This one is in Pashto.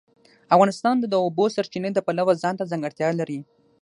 افغانستان د د اوبو سرچینې د پلوه ځانته ځانګړتیا لري.